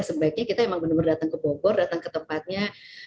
sebaiknya kita emang benar benar datang ke bogor datang ke tempatnya